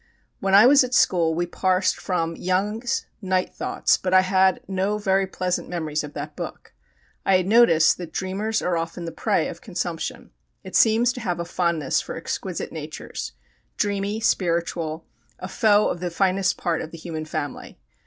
When I was at school we parsed from "Young's Night Thoughts," but I had no very pleasant memories of that book. I had noticed that dreamers are often the prey of consumption. It seems to have a fondness for exquisite natures dreamy, spiritual, a foe of the finest part of the human family.